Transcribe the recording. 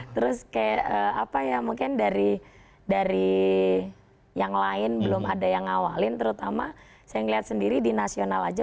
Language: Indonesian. terus kayak apa ya mungkin dari yang lain belum ada yang ngawalin terutama saya melihat sendiri di nasional aja